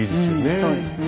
そうですね。